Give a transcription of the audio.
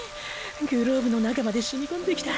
グローブの中までしみこんできた。